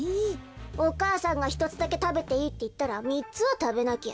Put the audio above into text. お母さんが「ひとつだけたべていい」っていったらみっつはたべなきゃ。